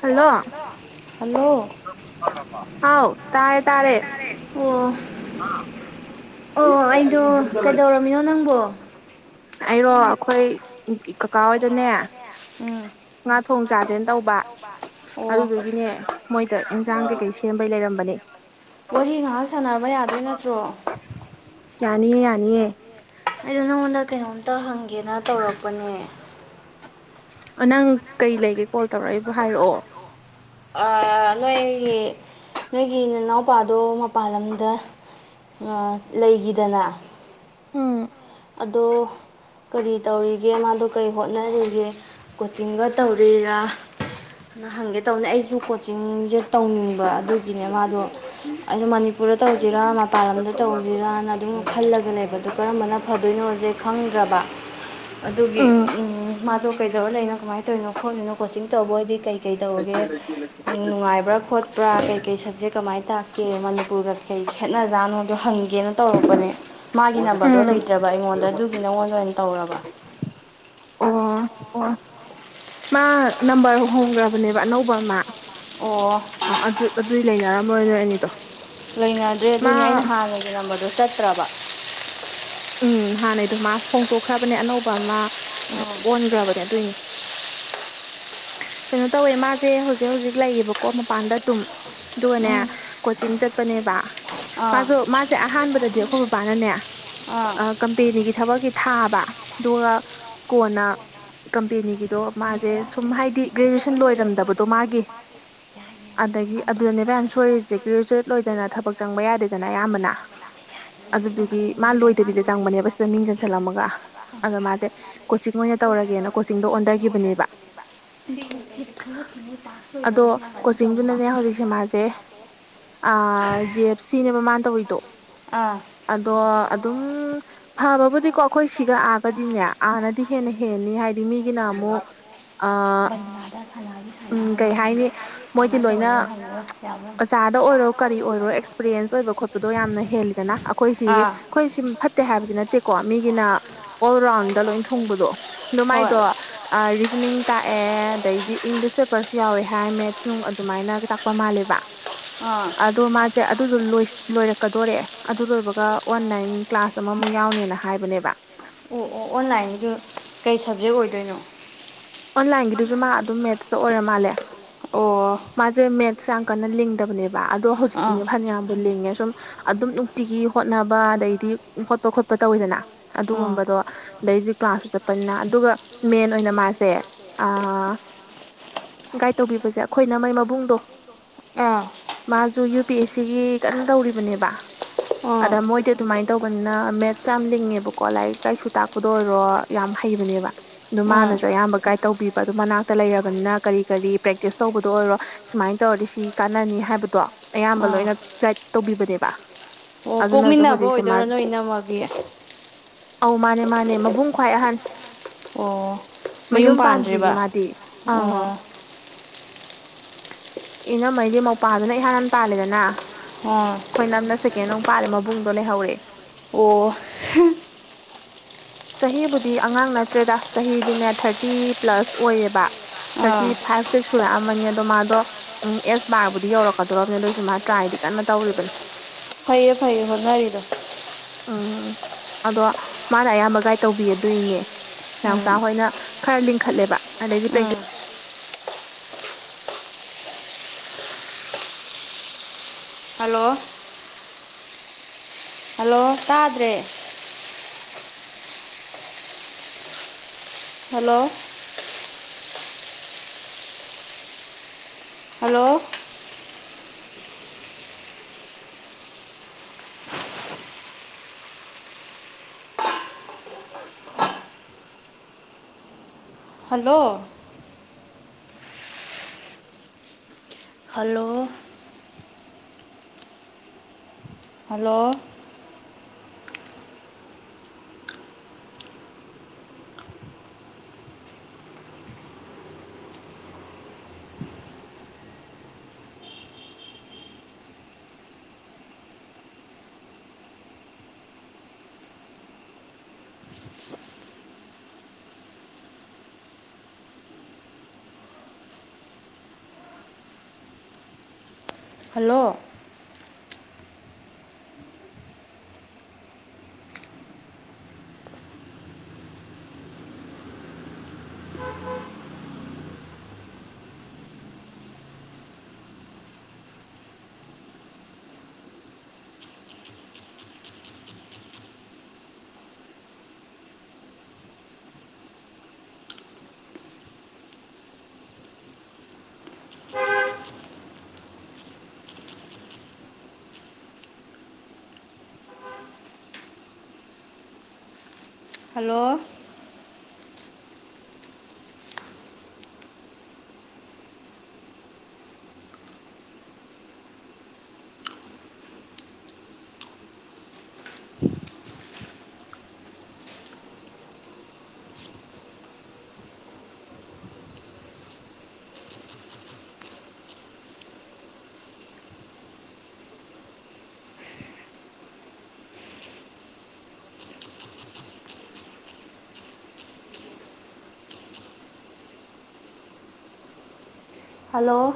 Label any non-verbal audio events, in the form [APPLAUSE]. hello ꯍꯥꯎ ꯇꯥꯔꯦ ꯇꯥꯔꯦ ꯍꯥ ꯑꯣ ꯑꯩꯗꯣ ꯀꯩꯗꯧꯔꯝꯃꯤꯅꯣ ꯅꯪꯕꯣ ꯑꯩꯔꯣ ꯑꯩꯈꯣꯏ ꯀꯀꯥꯍꯣꯏꯗꯅꯦ ꯎꯝ ꯉꯥ ꯊꯣꯡ ꯆꯥꯥꯁꯦꯅ ꯇꯧꯕ ꯑꯗꯨꯗꯨꯒꯤꯅꯦ ꯃꯣꯏꯗ ꯏꯟꯖꯥꯡ ꯀꯩꯀꯩ ꯁꯦꯝꯕꯩ ꯂꯩꯔꯝꯕꯅꯦ [UNINTELLIGIBLE] ꯋꯥꯔꯤ ꯉꯥꯍꯥꯛ ꯁꯥꯟꯅꯕ ꯌꯥꯗꯣꯏ ꯅꯠꯇ꯭ꯔꯣ ꯌꯥꯅꯤꯌꯦ ꯌꯥꯅꯤꯌꯦ ꯑꯩꯗꯣ ꯅꯉꯣꯟꯗ ꯀꯩꯅꯣꯝꯇ ꯍꯪꯒꯦꯅ ꯇꯧꯔꯛꯄꯅꯦ ꯑꯣꯅꯪ ꯀꯩ ꯂꯩꯒꯦ ꯀꯣꯜ ꯇꯧꯔꯛꯏꯕꯣ ꯍꯥꯏꯔꯛꯑꯣ ꯑꯥ ꯅꯣꯏꯒꯤ ꯅꯣꯏꯒꯤ ꯏꯅꯥꯎꯄꯥꯗꯣ ꯃꯄꯥꯥꯟ ꯂꯝꯗ ꯂꯩꯒꯤꯗꯅꯥ ꯑꯗꯣ ꯀꯔꯤ ꯇꯧꯔꯤꯒꯦ ꯃꯥꯗꯣ ꯀꯔꯤ ꯍꯣꯠꯅꯔꯤꯒꯦ ꯀꯣꯆꯤꯡꯒ ꯇꯧꯔꯤꯔꯥ ꯅꯍꯪꯒꯦ ꯇꯧꯕꯅꯦ ꯑꯩꯁꯨ ꯀꯣꯆꯤꯡꯁꯦ ꯇꯧꯅꯤꯡꯕ ꯑꯗꯨꯒꯤꯅꯦ ꯃꯥꯗꯣ ꯑꯩꯗꯣ ꯃꯅꯤꯄꯨꯔꯗ ꯇꯧꯖꯤꯔꯥ ꯃꯄꯥꯟ ꯂꯝꯗ ꯇꯧꯖꯤꯔꯥꯅ ꯑꯗꯨꯝ ꯈꯜꯂꯒ ꯂꯩꯕ ꯑꯗꯣ ꯀꯔꯝꯕꯅ ꯐꯗꯣꯏꯅꯣꯁꯦ ꯈꯪꯗ꯭ꯔꯕ ꯑꯗꯨꯒꯤ ꯃꯥꯗꯣ ꯀꯩꯗꯧꯔ ꯂꯩꯅꯣ ꯀꯃꯥꯏꯅ ꯇꯧꯔꯤꯅꯣ ꯈꯣꯠꯂꯤꯅꯣ ꯀꯣꯆꯤꯡ ꯇꯧꯕ ꯑꯣꯏꯗꯤ ꯀꯩꯀꯩ ꯇꯧꯔꯒꯦ ꯅꯨꯡꯉꯥꯏꯕ꯭ꯔꯥ ꯈꯣꯠꯄ꯭ꯔꯥ ꯀꯩ ꯀꯩ ꯁꯕꯖꯦꯛ ꯀꯃꯥꯏ ꯇꯥꯛꯀꯦ ꯃꯅꯤꯄꯨꯔꯒ ꯀꯩ ꯈꯦꯠꯅꯖꯥꯠꯅꯣꯗꯣ ꯍꯪꯒꯦꯅ ꯇꯧꯔꯛꯄꯅꯦ ꯃꯥꯒꯤ ꯅꯝꯕꯔꯗꯣ ꯂꯩꯇ꯭ꯔꯕ ꯑꯩꯉꯣꯟꯗ ꯑꯗꯨꯒꯤ ꯅꯉꯣꯟꯗ ꯑꯣꯏꯅ ꯇꯧꯔꯕ ꯑꯣ ꯍꯣꯏ ꯃꯥ ꯅꯝꯕꯔ ꯍꯣꯡꯒ꯭ꯔꯕꯅꯦꯕ ꯑꯅꯧꯕ ꯑꯃ ꯑꯣ ꯑꯣ ꯑꯗꯨ ꯑꯗꯨꯏ ꯂꯩꯅꯔꯝꯃꯔꯣꯏ ꯅꯣꯏ ꯑꯅꯤꯗꯣ ꯂꯩꯅꯗ꯭ꯔꯦ ꯑꯗꯨꯅꯦ ꯑꯩꯅ ꯍꯥꯟꯅꯒꯤ ꯅꯝꯕꯔꯗꯣ ꯆꯠꯇ꯭ꯔꯕ ꯎꯝ ꯍꯥꯟꯅꯩꯗꯣ ꯃꯥ ꯍꯣꯡꯇꯣꯛꯈ꯭ꯔꯕꯅꯦ ꯑꯅꯧꯕ ꯑꯃ ꯑꯣꯟꯈ꯭ꯔꯕꯅꯦ ꯑꯗꯨꯏꯅꯤ ꯀꯩꯅꯣ ꯇꯧꯋꯦ ꯃꯥꯁꯦ ꯍꯧꯖꯤꯛ ꯍꯧꯖꯤꯛ ꯂꯩꯌꯦꯕꯀꯣ ꯃꯄꯥꯟꯗ ꯑꯗꯨꯝ ꯑꯗꯨꯒꯅꯦ ꯀꯣꯆꯤꯡ ꯆꯠꯄꯅꯦꯕ ꯃꯥꯁꯨ ꯃꯥꯁꯦ ꯑꯍꯥꯟꯕꯗꯗꯤ ꯑꯩꯈꯣꯏ ꯕꯕꯥꯅꯅꯦ ꯀꯝꯄꯦꯅꯤꯒꯤ ꯊꯕꯛꯀꯤ ꯊꯥꯕ ꯑꯗꯨꯒ ꯀꯣꯟꯅ ꯀꯝꯄꯦꯅꯤꯒꯤꯗꯣ ꯃꯥꯁꯦ ꯁꯨꯝ ꯍꯥꯏꯗꯤ ꯒ꯭ꯔꯦꯖꯨꯋꯦꯁꯟ ꯂꯣꯏꯔꯝꯗꯕꯗꯣ ꯃꯥꯒꯤ ꯑꯗꯒꯤ ꯑꯗꯨꯗꯅꯦꯕꯌꯥꯝ ꯁꯣꯏꯔꯤꯁꯦ ꯒ꯭ꯔꯦꯖꯨꯋꯦꯠ ꯂꯣꯏꯗꯅ ꯊꯕꯛ ꯆꯪꯕ ꯌꯥꯗꯦꯗꯅ ꯑꯌꯥꯝꯕꯅ ꯑꯗꯨꯗꯨꯒꯤ ꯃꯥ ꯂꯣꯏꯗꯕꯤꯗ ꯆꯪꯕꯅꯦꯕ ꯁꯤꯗ ꯃꯤꯡ ꯆꯟꯁꯜꯂꯝꯃꯒ ꯑꯗꯣ ꯃꯥꯁꯦ ꯀꯣꯆꯤꯡ ꯑꯣꯏꯅ ꯇꯧꯔꯒꯦꯅ ꯀꯣꯆꯤꯡꯗꯣ ꯑꯣꯟꯊꯈꯤꯕꯅꯦꯕ [INAUDIBLE] ꯖꯦ ꯑꯦꯞ ꯁꯤꯅꯦꯕ ꯃꯥꯅ ꯇꯧꯋꯤꯗꯣ ꯑꯥ ꯑꯗꯣ ꯑꯗꯨꯝ ꯐꯕꯕꯨꯗꯤꯀꯣ ꯑꯩꯈꯣꯏ ꯁꯤꯒ ꯑꯥꯒꯗꯤꯅꯦ ꯑꯥꯅꯗꯤ ꯍꯦꯟꯅ ꯍꯦꯅꯤ ꯍꯥꯏꯗꯤ ꯃꯤꯒꯤꯅ ꯑꯃꯨꯛ ꯕꯥꯗ ꯁꯥꯟꯅꯗꯤ ꯁꯥꯟꯅꯒ ꯂꯧꯔꯅꯤ ꯀꯃꯥꯏꯅ ꯇꯧꯅꯤꯣ ꯍꯥꯏꯜꯂꯒ ꯑꯣꯖꯥꯗ ꯑꯣꯏꯔꯣ ꯀꯔꯤ ꯑꯣꯏꯔꯣ ꯑꯦꯛꯁꯄꯤꯔꯤꯌꯦꯟꯁ ꯑꯣꯏꯕ ꯈꯣꯠꯄꯗꯣ ꯌꯥꯝꯅ ꯍꯦꯜꯂꯤꯗꯅ ꯑꯩꯈꯣꯏꯁꯤꯒꯤ ꯑꯩꯈꯣꯏ ꯁꯤ ꯐꯠꯇꯦ ꯍꯥꯏꯕꯗꯤ ꯅꯠꯇꯦꯀꯣ ꯃꯤꯒꯤꯅ ꯑꯣꯜ ꯔꯥꯎꯟꯗ ꯂꯣꯏ ꯊꯨꯡꯕꯗꯣ ꯑꯗꯨꯃꯥꯏꯗꯣ ꯔꯤꯖꯅꯤꯡ ꯇꯥꯛꯑꯦ ꯑꯗꯩꯗꯤ ꯏꯪꯂꯤꯁ ꯄꯦꯄꯔꯁꯨ ꯌꯥꯎꯋꯦ ꯍꯥꯏ ꯃꯦꯠꯁ ꯅꯨꯡ ꯑꯗꯨꯃꯥꯏꯅꯒ ꯇꯥꯛꯄ ꯃꯥꯜꯂꯦꯕ ꯑꯗꯣ ꯃꯥꯁꯦ ꯑꯗꯨꯁꯨ ꯂꯣꯏꯔꯛꯀꯗꯣꯔꯦ ꯑꯗꯨ ꯂꯣꯏꯕꯒ ꯑꯣꯟꯂꯥꯏꯟ ꯀ꯭ꯂꯥꯁ ꯑꯃꯃꯨꯛ ꯌꯥꯎꯅꯦꯅ ꯍꯥꯏꯕꯅꯦꯕ ꯑꯣꯟꯂꯥꯏꯟꯗꯁꯨ ꯀꯩ ꯁꯕꯖꯦꯛ ꯑꯣꯏꯗꯣꯏꯅꯣ ꯑꯣꯟꯂꯥꯏꯟꯒꯤꯗꯨꯁꯨ ꯃꯥ ꯑꯗꯨꯝ ꯃꯦꯠꯁꯇ ꯑꯣꯏꯔ ꯃꯥꯜꯂꯦ ꯃꯥꯁꯦ ꯃꯦꯠꯁ ꯍꯛꯆꯥꯡ ꯀꯟꯅ ꯂꯤꯡꯗꯕꯅꯦꯕ ꯑꯗꯣ ꯍꯧꯖꯤꯛꯇꯤꯅꯦ ꯐꯅꯌꯥꯝꯕꯨ ꯂꯤꯡꯉꯦ ꯁꯨꯝ ꯑꯗꯨꯝ ꯅꯨꯡꯇꯤꯒꯤ ꯍꯣꯠꯅꯕ ꯑꯗꯩꯗꯤ ꯍꯣꯠꯄ ꯈꯣꯠꯄ ꯇꯧꯋꯤꯗꯅ ꯑꯗꯨꯒꯨꯝꯕꯗꯣ ꯑꯗꯩꯗꯤ ꯀ꯭ꯂꯥꯁꯁꯨ ꯆꯠꯄꯅꯤꯅ ꯑꯗꯨꯒ ꯃꯦꯟ ꯑꯣꯏꯅ ꯃꯥꯁꯦ ꯑ ꯒꯥꯏꯠ ꯇꯧꯕꯤꯕꯁꯦ ꯑꯩꯈꯣꯏꯅ ꯃ ꯄꯕꯨꯡꯗꯣ ꯃꯥꯁꯨ ꯌꯨ ꯄꯤ ꯑꯦꯁ ꯁꯤꯒꯤ ꯀꯟꯅ ꯇꯧꯔꯤꯕꯅꯦꯕ ꯑꯗ ꯃꯣꯏ ꯇꯨꯃꯥꯏ ꯀꯩ ꯇꯧꯕꯅꯤꯅ ꯃꯦꯠꯁ ꯌꯥꯝ ꯂꯤꯡꯉꯦꯕꯀꯣ ꯂꯥꯏꯔꯤꯛ ꯂꯥꯏꯁꯨ ꯇꯥꯛꯄꯗ ꯑꯣꯏꯔꯣ ꯌꯥꯝ ꯍꯩꯕꯅꯦꯕ ꯑꯗꯨ ꯃꯥꯅꯁꯨ ꯑꯌꯥꯝꯕ ꯀꯥꯏꯦ ꯇꯧꯕꯤꯕ ꯑꯣ ꯃꯅꯥꯛꯇ ꯂꯩꯔꯕꯅꯤꯅ ꯀꯔꯤ ꯀꯔꯤ ꯄ꯭ꯔꯦꯛꯇꯤꯁ ꯇꯧꯕꯗꯣ ꯑꯣꯏꯔꯣ ꯁꯨꯃꯥꯏꯅ ꯇꯧꯔꯗꯤ ꯁꯤ ꯀꯥꯟꯅꯅꯤ ꯍꯥꯏꯕꯗꯣ ꯑꯌꯥꯝꯕ ꯂꯣꯏꯅ ꯒꯥꯏꯠ ꯇꯧꯕꯤꯕꯅꯦꯕ ꯑꯣ ꯀꯣꯛꯃꯤꯟꯅꯕ ꯑꯣꯏꯗꯣꯏꯔ ꯅꯣꯏ ꯏꯅꯃꯛꯒꯤ ꯑꯧ ꯃꯥꯅꯦ ꯃꯥꯅꯦ ꯃꯕꯨꯡ ꯈ꯭ꯋꯥꯏ ꯑꯍꯥꯟ ꯑꯣ ꯃꯌꯨꯝ ꯄꯥꯟ ꯔꯤ ꯃꯥꯗꯤ ꯑ ꯏꯅꯝꯃꯩꯗꯤ ꯃꯧꯄꯥꯗꯨꯅ ꯏꯍꯥꯟ ꯍꯥꯟ ꯄꯥꯜꯜꯂꯤꯦꯗꯅ ꯍꯣꯏ ꯑꯩꯈꯣꯏ ꯅꯝꯅ ꯁꯦꯀꯦꯟ ꯑꯃꯨꯛ ꯄꯥꯔꯦ ꯃꯕꯨꯡꯗꯣ ꯂꯩꯍꯧꯔꯦ ꯑꯣ ꯆꯍꯤꯕꯨꯗꯤ ꯑꯉꯥꯡ ꯅꯠꯇ꯭ꯔꯦꯗ ꯆꯍꯤꯗꯤꯅꯦ ꯊꯥꯔꯇꯤ ꯄ꯭ꯂꯁ ꯑꯣꯏꯌꯦꯕ ꯊꯥꯔꯇꯤ ꯐꯥꯏꯚ ꯁꯤꯛꯁ ꯁꯨꯔꯛꯑꯃꯅꯤ ꯑꯗꯣ ꯃꯥꯗꯣ ꯎꯝ ꯑꯦꯁ ꯕꯥꯔꯕꯨꯗꯤ ꯌꯧꯔꯛꯀꯗꯣꯔꯕꯅꯦ ꯑꯗꯨꯏꯁꯨ ꯃꯥ ꯇ꯭ꯔꯥꯏꯗꯤ ꯀꯟꯅ ꯇꯧꯔꯤꯕꯅꯤ ꯐꯩꯌꯦ ꯐꯩꯌꯦ ꯍꯣꯔ ꯅꯅꯥ ꯋꯥꯔꯤꯗ ꯑꯥ ꯎ ꯑꯗꯣ ꯃꯥꯅ ꯑꯌꯥꯝꯕ ꯒꯥꯏꯗ ꯇꯧꯕꯤꯗꯣꯏꯅꯦ ꯀꯌꯥꯆꯥ ꯍꯣꯏꯅ ꯈꯔ ꯈꯠꯂꯦꯕ ꯑꯗꯩꯗꯤ ꯄ꯭ꯔꯦꯛꯇꯤꯁ ꯍꯜꯂꯣ ꯍꯜꯂꯣ ꯇꯥꯗ꯭ꯔꯦ hello hello hello hello hello hello hello hello